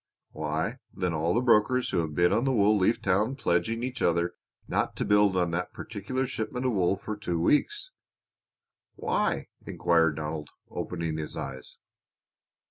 "Why, then all the brokers who have bid on the wool leave town pledging each other not to bid on that particular shipment of wool for two weeks," replied Sandy. "Why?" inquired Donald, opening his eyes.